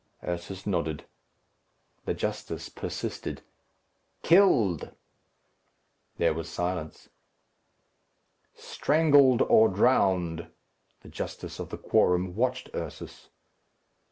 Ursus nodded. The justice persisted, "Killed." There was silence. "Strangled, or drowned." The justice of the quorum watched Ursus.